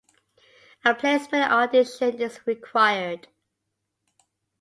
A placement audition is required.